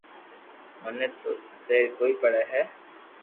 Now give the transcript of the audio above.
مني تو زبر ڪوئي پڙي ھي